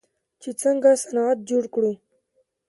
چې څنګه صنعت جوړ کړو.